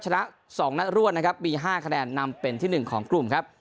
ชนะสองและร่วนนะครับมีห้าคะแนนนำเป็นที่หนึ่งของกลุ่มครับ